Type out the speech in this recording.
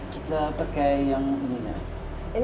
kita pakai yang ininya